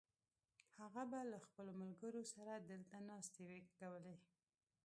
هغه به له خپلو ملګرو سره دلته ناستې کولې.